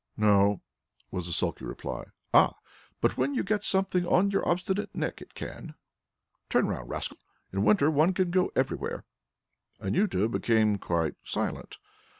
"No," was the sulky reply. "Ah, but when you get something on your obstinate neck it can. Turn round, rascal! In winter one can go everywhere." Anjuta had become quite silent.